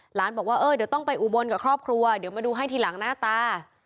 หลานบอกว่าเออเดี๋ยวต้องไปอุบลกับครอบครัวเดี๋ยวมาดูให้ทีหลังหน้าตา